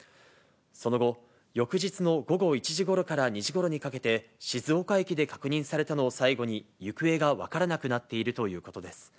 その後、翌日の午後１時ごろから２時ごろにかけて静岡駅で確認されたのを最後に、行方が分からなくなっているということです。